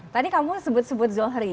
tadi kamu sebut sebut zohri